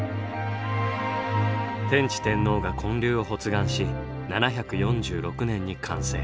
天智天皇が建立を発願し７４６年に完成。